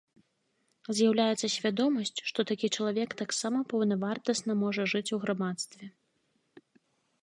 З'яўляецца свядомасць, што такі чалавек таксама паўнавартасна можа жыць у грамадстве.